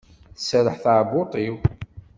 Tserreḥ teɛbuḍt-iw.